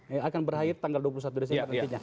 yang akan berakhir tanggal dua puluh satu desember nantinya